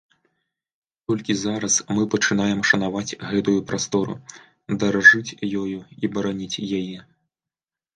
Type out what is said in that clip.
Толькі зараз мы пачынаем шанаваць гэтую прастору, даражыць ёю і бараніць яе.